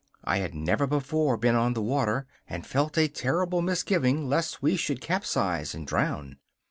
I had never before been on the water, and felt a terrible misgiving lest we should capsize and drown.